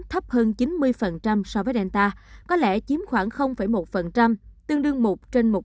thấp hơn chín mươi so với delta có lẽ chiếm khoảng một tương đương một trên một